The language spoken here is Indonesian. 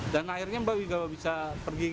dan akhirnya mbak wigawa bisa pergi gitu ya